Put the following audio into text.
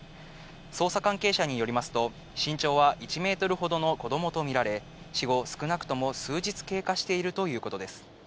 捜査関係者によりますと、身長は１メートルほどの子どもと見られ、死後少なくとも数日経過しているということです。